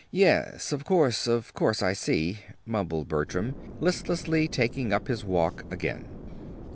"Yes, of course, of course; I see," mumbled Bertram, listlessly taking up his walk again.